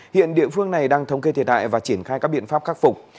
hiện địa phương này đang thống kê thiệt hại và triển khai các biện pháp khắc phục